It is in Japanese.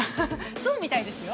◆そうみたいですよ。